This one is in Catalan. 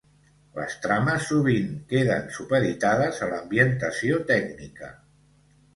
Les trames sovint queden supeditades a l'ambientació tècnica.